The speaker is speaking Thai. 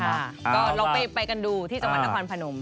ก็เราไปกันดูที่จังหวันทางควันผนม